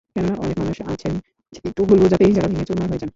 কেননা, অনেক মানুষ আছেন, একটু ভুল বোঝাতেই যাঁরা ভেঙে চুরমার হয়ে যান।